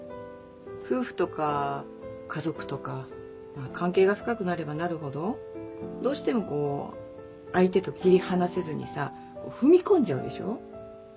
夫婦とか家族とか関係が深くなればなるほどどうしてもこう相手と切り離せずにさ踏み込んじゃうでしょ。